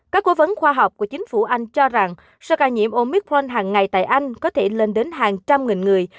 các cố vấn khoa học của chính phủ anh cho rằng sơ ca nhiễm omicron hàng ngày tại anh có thể lên đến hàng trăm nghìn người